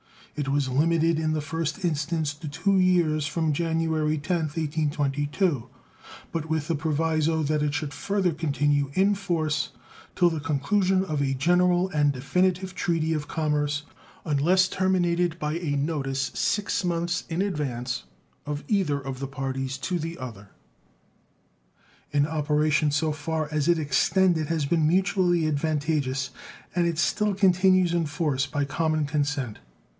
It was limited in the first instance to two years from January 10th, 1822, but with a proviso that it should further continue in force 'til the conclusion of a general and definitive treaty of commerce, unless terminated by a notice, six months in advance, of either of the parties to the other. Its operation so far as it extended has been mutually advantageous, and it still continues in force by common consent.